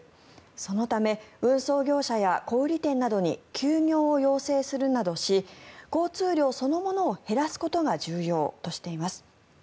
そのため運送業者や小売店などに休業を要請するなどし交通量そのものを減らすことが重要としています。